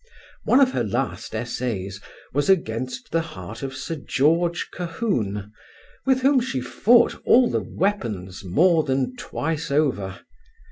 One of her last essays was against the heart of Sir George Colquhoun, with whom she fought all the weapons more than twice over.